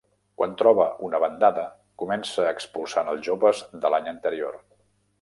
Quan troba una bandada comença expulsant als joves de l'any anterior.